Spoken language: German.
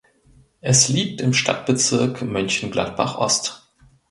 Es liegt im Stadtbezirk Mönchengladbach Ost.